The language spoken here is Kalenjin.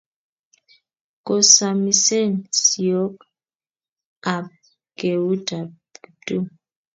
Kosamisen siok ap keut ap Kiptum.